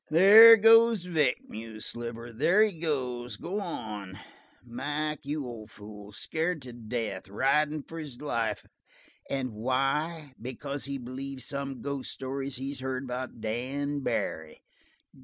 "There goes Vic," mused Sliver. "There he goes go on. Mac, you old fool! scared to death, ridin' for his life. And why? Because he believes some ghost stories he's heard about Dan Barry!"